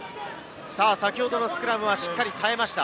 先ほどのスクラムはしっかり耐えました。